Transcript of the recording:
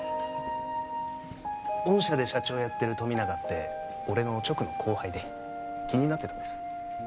御社で社長やってる富永って俺の直の後輩で気になってたんです